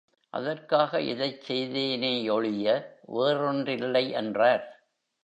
அதற்காக இதைச் செய்தேனேயொழிய வேறொன்றில்லை என்றார்!